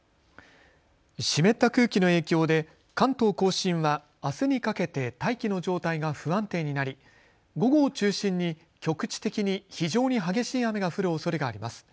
湿った空気の影響で関東甲信はあすにかけて大気の状態が不安定になり午後を中心に局地的に非常に激しい雨が降るおそれがあります。